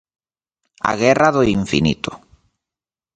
A guerra do infinito